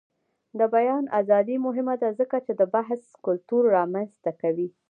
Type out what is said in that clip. د بیان ازادي مهمه ده ځکه چې د بحث کلتور رامنځته کوي.